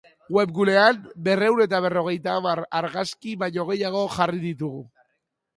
Webgunean, berrehun eta berrogeita hamar argazki baino gehiago jarri ditugu.